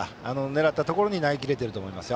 狙ったところに投げ切れていると思います。